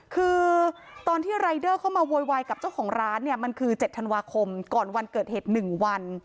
คือตอนที่รายเดอร์เข้ามาโวยวายกับเจ้าของร้านเนี่ยมันคือ๗ธันวาคมก่อนวันเกิดเหตุ๑วัน